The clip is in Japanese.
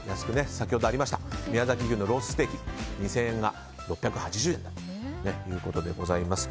先ほどありました宮崎牛のロースステーキ２０００円が６８０円ということでございます。